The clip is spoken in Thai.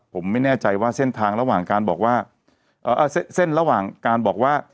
ผมไม่แน่ใจว่าเส้นทางระหว่างการบอกว่าเส้นระหว่างการบอกว่า